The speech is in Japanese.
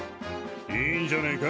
いいんじゃねえか。